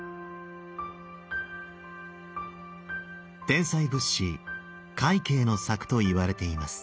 天才仏師快慶の作といわれています。